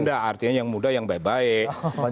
enggak artinya yang muda yang baik baik